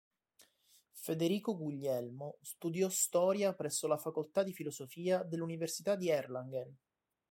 Federico Guglielmo studiò storia presso la facoltà di filosofia dell'Università di Erlangen.